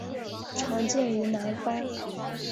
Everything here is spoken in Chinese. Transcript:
常见于南方。